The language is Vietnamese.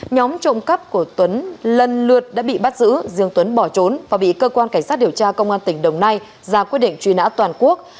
nhóm trộm cắp của tuấn lần lượt đã bị bắt giữ riêng tuấn bỏ trốn và bị cơ quan cảnh sát điều tra công an tỉnh đồng nai ra quyết định truy nã toàn quốc